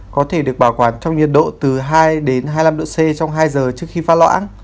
có thể được bảo quản trong nhiệt độ từ hai đến hai mươi năm độ c trong hai giờ trước khi pha loãng